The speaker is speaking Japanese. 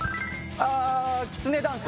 あきつねダンス？